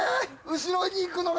後ろに行くのが。